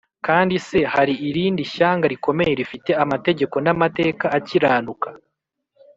Kandi se hari irindi shyanga rikomeye rifite amategeko n’amateka akiranuka,